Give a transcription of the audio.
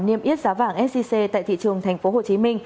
niêm yết giá vàng sgc tại thị trường tp hcm